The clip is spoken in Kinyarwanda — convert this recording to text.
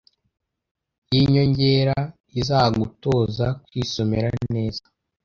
y’inyongera izagutoza kwisomera neza